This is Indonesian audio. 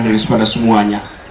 dari sepada semuanya